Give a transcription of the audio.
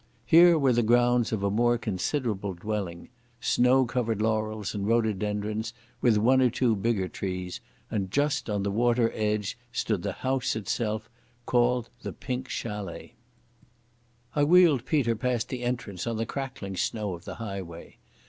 Here were the grounds of a more considerable dwelling—snow covered laurels and rhododendrons with one or two bigger trees—and just on the water edge stood the house itself, called the Pink Chalet. I wheeled Peter past the entrance on the crackling snow of the highway.